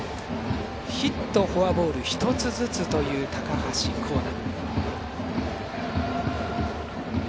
ヒット、フォアボール１つずつという高橋光成。